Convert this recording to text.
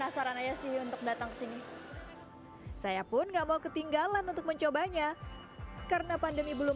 saran aja sih untuk datang ke sini saya pun nggak mau ketinggalan untuk mencobanya karena pandemi belum